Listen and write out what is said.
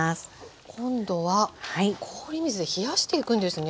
今度は氷水で冷やしていくんですね。